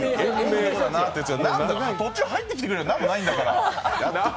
途中入ってきてくれよ、何もないんだから！